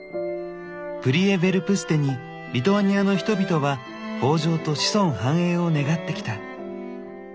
プリエヴェルプステにリトアニアの人々は豊穣と子孫繁栄を願ってきた。